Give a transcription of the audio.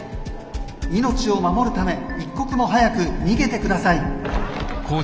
命を守るため一刻も早く逃げてください」。